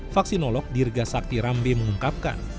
vaksinolog dirga sakti rambe mengungkapkan